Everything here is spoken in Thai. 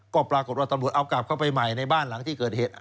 ก็ปรากฏว่าตำรวจเอากลับเข้าไปใหม่ในบ้านหลังที่เกิดเหตุ